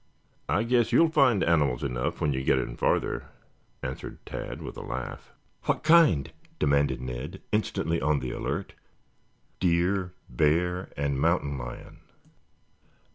"I guess you will find animals enough when we get in farther," answered Tad with a laugh. "What kind?" demanded Ned, instantly on the alert. "Deer, bear and mountain lion."